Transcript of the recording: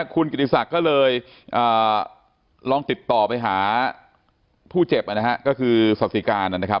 คุณกฤติศักดิ์ก็เลยลองติดต่อไปหาผู้เจ็บก็คือสศิการ